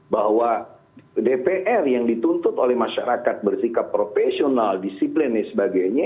bahwa dpr yang dituntut oleh masyarakat bersikap profesional disiplin dan sebagainya